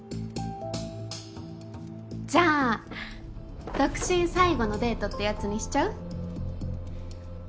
じゃあ独身最後のデートってやつにしちゃう？